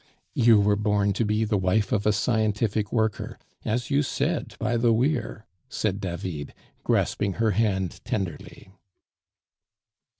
"You were born to be the wife of a scientific worker, as you said by the weir," said David, grasping her hand tenderly.